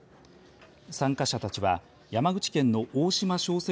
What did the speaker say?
参加者たちは山口県の大島商船